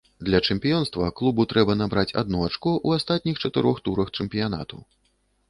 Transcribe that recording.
Для чэмпіёнства клубу трэба набраць адно ачко ў астатніх чатырох турах чэмпіянату.